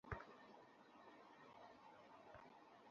এখন তাঁর অবর্তমানে নিজেকে যথেষ্ট যোগ্য মনে করে মনোনয়ন দাবি করছি।